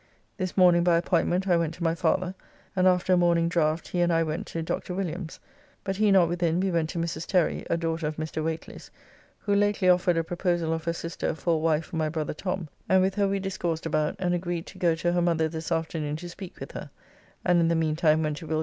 This morning by appointment I went to my father, and after a morning draft he and I went to Dr. Williams, but he not within we went to Mrs. Terry, a daughter of Mr. Whately's, who lately offered a proposal of her sister for a wife for my brother Tom, and with her we discoursed about and agreed to go to her mother this afternoon to speak with her, and in the meantime went to Will.